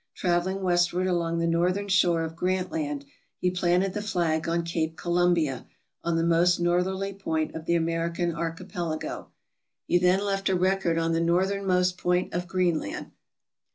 Traveling westward along the northern shore of Grant Land, he planted the flag on Cape Columbia, on the most northerly point of the American archipelago. He then VOL. VI. — 31 468 TRAVELERS AND EXPLORERS left a record on the northernmost point of Greenland.